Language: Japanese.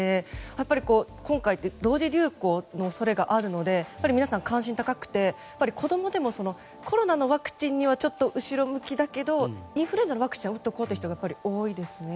やっぱり今回、同時流行の恐れがあるので皆さん、関心が高くてやっぱり子供でもコロナのワクチンにはちょっと後ろ向きだけどインフルエンザのワクチンは打っとこうって人が多いですね。